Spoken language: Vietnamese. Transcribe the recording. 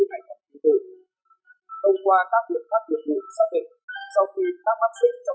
ngày một mươi ba tháng chín tối tượng nguyễn thanh tăng bị bắt quả tán